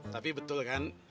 tapi betul kan